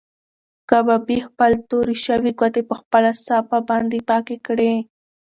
کبابي خپلې تورې شوې ګوتې په خپله صافه باندې پاکې کړې.